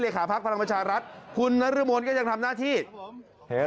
ขาพักพลังประชารัฐคุณนรมนก็ยังทำหน้าที่เห็น